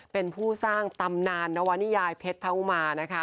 เป็นผู้สร้างตำนานนวนิยายเพชรพระอุมานะคะ